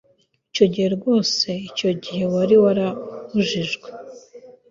Icyo gihe rwose icyo gihe wari warabujijwe